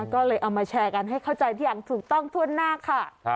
ก็เลยเอามาแชร์กันให้เข้าใจอย่างถูกต้องทั่วหน้าค่ะ